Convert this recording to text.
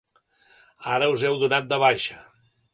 Ara us heu donat de baixa.